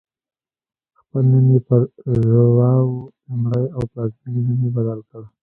خپل نوم یې پر ژواو لومړی او پلازمېنې نوم یې بدل کړ.